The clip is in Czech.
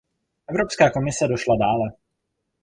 Evropská komise došla dále.